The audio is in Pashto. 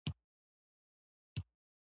سړک د انسان د تګ اړین توکی دی.